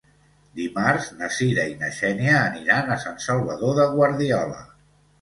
Dimarts na Cira i na Xènia aniran a Sant Salvador de Guardiola.